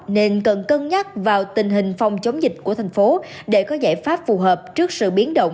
nên cần cân nhắc vào tình hình phòng chống dịch của thành phố để có giải pháp phù hợp trước sự biến động